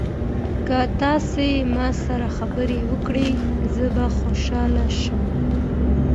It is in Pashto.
که تاسي ما سره خبرې وکړئ زه به خوشاله شم.